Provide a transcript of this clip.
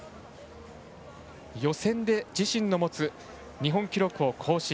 予選で自身の持つ日本記録を更新。